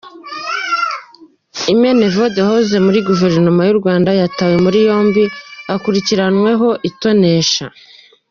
Imena Evode wahoze muri guverinoma y’u Rwanda yatawe muri yombi akurikiranyweho itonesha.